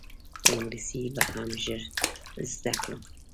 خو انګلیسي به هم ژر زده کړم.